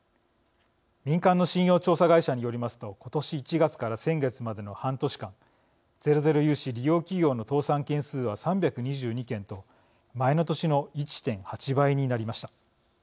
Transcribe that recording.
民間の信用調査会社によりますと今年１月から先月までの半年間ゼロゼロ融資利用企業の倒産件数は３２２件と前の年の１．８倍になりました。